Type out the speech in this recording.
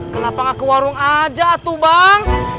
kenapa gak ke warung aja tuh bang